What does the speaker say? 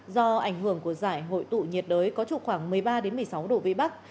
do ảnh hưởng của giải hội tụ nhiệt đới có trục khoảng một mươi ba một mươi sáu độ vĩ bắc